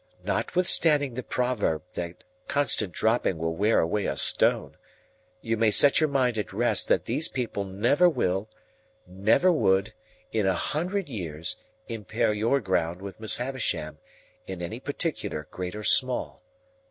"First, notwithstanding the proverb that constant dropping will wear away a stone, you may set your mind at rest that these people never will—never would in a hundred years—impair your ground with Miss Havisham, in any particular, great or small.